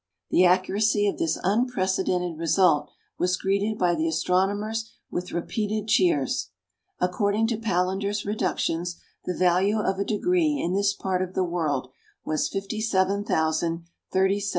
The accuracy of this unprecedented result was greeted by the astronomers with repeated cheers. According to Palander's reductions, the value of a degree in this part of the world was 57037 toises.